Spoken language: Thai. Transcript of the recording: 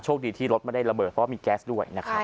ดีที่รถไม่ได้ระเบิดเพราะว่ามีแก๊สด้วยนะครับ